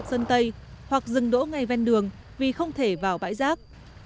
sơn tây hoặc dừng đỗ ngay ven đường vì không thể vào bãi rác